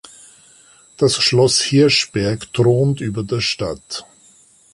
Das Schloss Hirschberg thront über der Stadt.